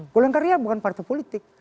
golongan karya bukan partai politik